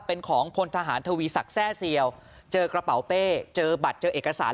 เป็นของพลทหารทวีศักดิ์แทร่เซียวเจอกระเป๋าเป้เจอบัตรเจอเอกสาร